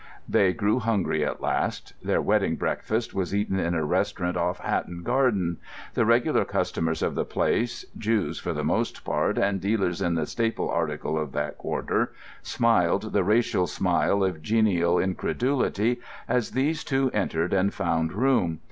They grew hungry at last. Their wedding breakfast was eaten in a restaurant off Hatton Garden. The regular customers of the place, Jews for the most part, and dealers in the staple article of that quarter, smiled the racial smile of genial incredulity as these two entered and found room.